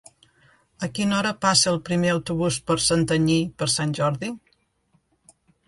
A quina hora passa el primer autobús per Santanyí per Sant Jordi?